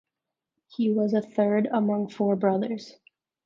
He was a third among four brothers.